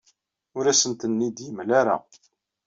Ur asent-ten-id-yemla ara.